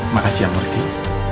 makasih ya martin